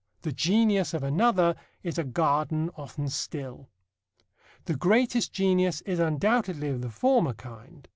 The genius of another is a garden often still. The greatest genius is undoubtedly of the former kind.